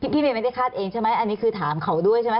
พี่เมย์ไม่ได้คาดเองใช่ไหมอันนี้คือถามเขาด้วยใช่ไหม